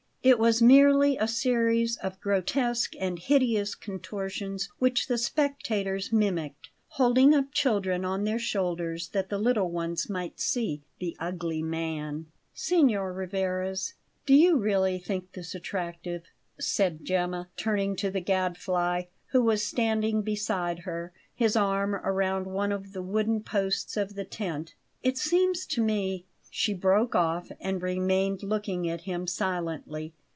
It was merely a series of grotesque and hideous contortions, which the spectators mimicked, holding up children on their shoulders that the little ones might see the "ugly man." "Signor Rivarez, do you really think this attractive?" said Gemma, turning to the Gadfly, who was standing beside her, his arm round one of the wooden posts of the tent. "It seems to me " She broke off and remained looking at him silently.